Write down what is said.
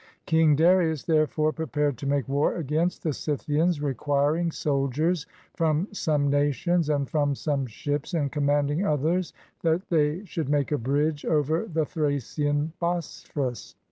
I King Darius therefore prepared to make war against the Scythians, requiring soldiers from some nations, and from some ships, and commanding others that they should make a bridge over the Thracian Bosphorus.